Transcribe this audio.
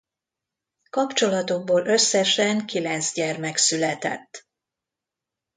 Kapcsolatukból összesen kilenc gyermek született.